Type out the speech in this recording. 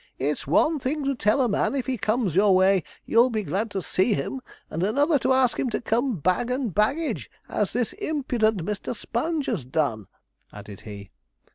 'It's one thing to tell a man, if he comes your way, you'll be glad to see him, and another to ask him to come bag and baggage, as this impudent Mr. Sponge has done,' added he.